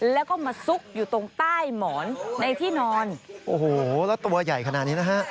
แล้วก็มาซุกอยู่ตรงใต้หมอนในที่นอนโอ้โหแล้วตัวใหญ่ขนาดนี้นะฮะ